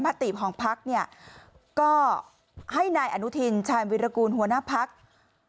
มติของพักเนี่ยก็ให้นายอนุทินชาญวิรากูลหัวหน้าพัก